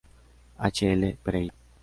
H. L. Pereira.